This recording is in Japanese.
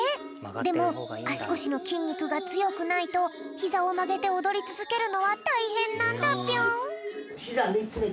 でもあしこしのきんにくがつよくないとひざをまげておどりつづけるのはたいへんなんだぴょん。